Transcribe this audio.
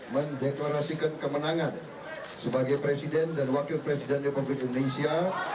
mendeklarasikan kemenangan sebagai presiden dan wakil presiden republik indonesia